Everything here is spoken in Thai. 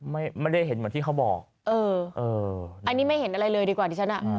ไม่ได้เห็นเหมือนที่เขาบอกเออเอออันนี้ไม่เห็นอะไรเลยดีกว่าดิฉันอ่ะ